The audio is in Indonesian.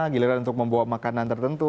giliran untuk membawa makanan tertentu